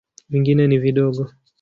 Vingine ni vidogo.